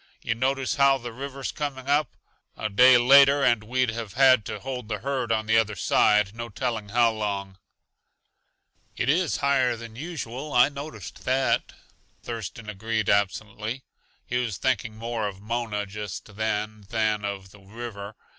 Yuh notice how the river's coming up? A day later and we'd have had to hold the herd on the other side, no telling how long." "It is higher than usual; I noticed that," Thurston agreed absently. He was thinking more of Mona just then than of the river.